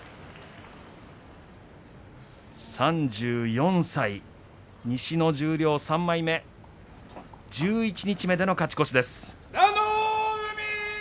３４歳、西の十両３枚目で十一日目での勝ち越しです。